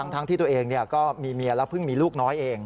ทั้งที่ตัวเองก็มีเมียแล้วเพิ่งมีลูกน้อยเอง